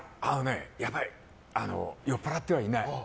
酔っぱらってはいない。